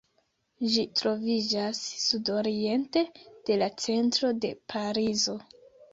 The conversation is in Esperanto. Ĝi troviĝas sudoriente de la centro de Parizo.